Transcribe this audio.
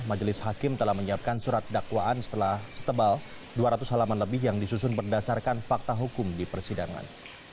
majelis hakim telah menyiapkan surat dakwaan setelah setebal dua ratus halaman lebih yang disusun berdasarkan fakta hukum di persidangan